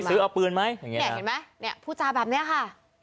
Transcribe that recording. ซื้อเอาปืนไหมอย่างนี้เนี่ยเห็นไหมเนี่ยพูดจาแบบนี้ค่ะ